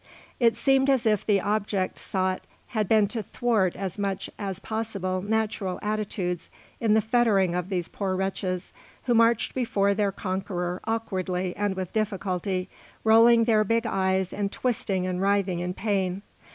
It seemed as if the object sought had been to thwart as much as possible natural attitudes in the fettering of these poor wretches, who marched before their conqueror awkwardly and with difficulty, rolling their big eyes and twisting and writhing in pain.